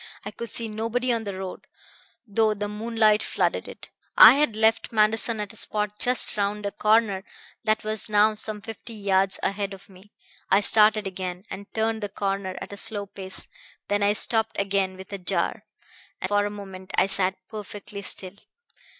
I could see nobody on the road, though the moonlight flooded it. I had left Manderson at a spot just round a corner that was now some fifty yards ahead of me. I started again, and turned the corner at a slow pace. Then I stopped again with a jar, and for a moment I sat perfectly still.